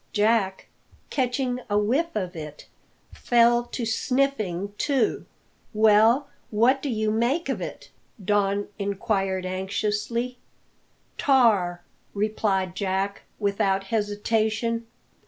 Jack, catching a whiff of it, fell to sniffing too. "Well, what do you make of it?" Don inquired anxiously. "Tar!" replied Jack, without hesitation.